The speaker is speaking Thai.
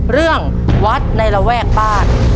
เรื่องวัดในระแวกบ้าน